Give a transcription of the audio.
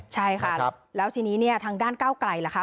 ใช่ค่ะแล้วทีนี้ทางด้านก้าวไกล่ล่ะค่ะ